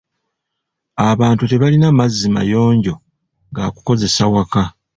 Abantu tebalina mazzi mayonjo ga kukozesa waka.